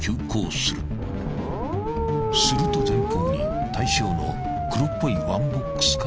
［すると前方に対象の黒っぽいワンボックスカーを発見］